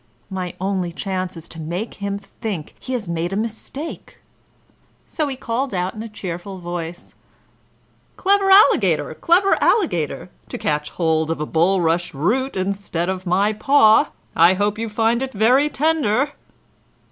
My only chance is to make him think he has made a mistake." So he called out in a cheerful voice: "Clever Alligator, clever Alligator, to catch hold of a bulrush root instead of my paw! I hope you find it very tender."